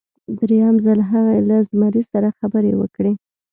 دریم ځل هغې له زمري سره خبرې وکړې.